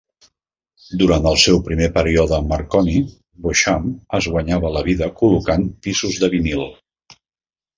Durant el seu primer període amb Marconi, Beauchamp es guanyava la vida col·locant pisos de vinil.